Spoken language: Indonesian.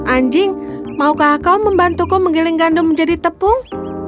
anjing maukah kau membantuku menggiling gandum menjadi tepung